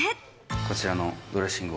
こちらのドレッシングを。